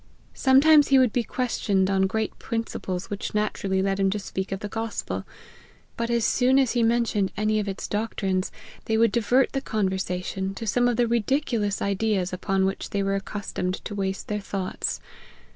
Sometimes he would be questioned on great principles which naturally led him to speak of the gospel ; but as soon as he mentioned any of its doctrines, they would divert the conversation to some of the ridiculous ideas, upon which they were accustomed to waste their thoughts.